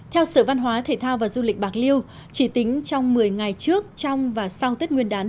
theo sở văn hóa thể thao và du lịch bạc liêu chỉ tính trong một mươi ngày trước trong và sau tết nguyên đán